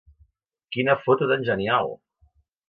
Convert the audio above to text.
Quina foto tan genial!